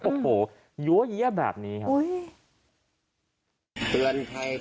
โอ้โหยั้วเยี้ยแบบนี้ครับ